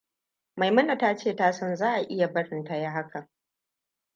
Maimunaam tace tasan za a iya barin tayi hakan.